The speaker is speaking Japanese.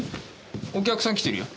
お客さん来てるよ。